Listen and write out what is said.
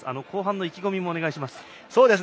後半の意気込みもお願いします。